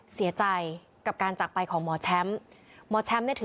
เสียใจกับการจากไปของหมด